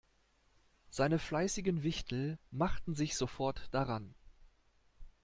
Seine fleißigen Wichtel machten sich sofort daran.